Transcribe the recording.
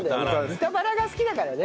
豚バラが好きだからね。